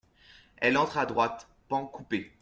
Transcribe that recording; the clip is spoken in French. Elle entre à droite, pan coupé.